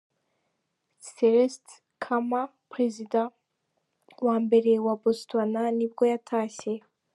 Seretse Khama, perezida wa mbere wa Botswana nibwo yatashye.